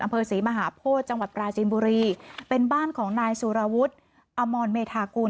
อำเภอศรีมหาโพธิจังหวัดปราจินบุรีเป็นบ้านของนายสุรวุฒิอมรเมธากุล